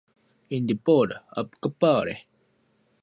She competes in the Biathlon World Cup.